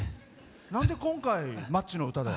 なんで今回、マッチの歌で？